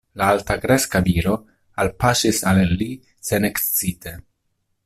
La altakreska viro alpaŝis al li senekscite.